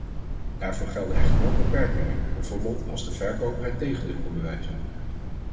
Daarvoor gelden echter wel beperkingen, bijvoorbeeld als de verkoper het tegendeel kan bewijzen.